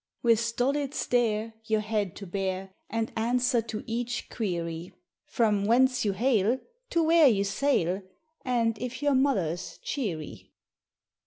With stolid stare, your head to bare, And answer to each query; From whence you hail, to where you sail, And if your mother's cheery.